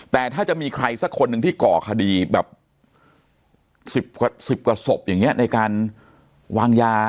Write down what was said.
แต่ถ้าจะมีใครสักคนหนึ่งที่ก่อคดีแบบ๑๐กว่าศพอย่างนี้ในการวางยา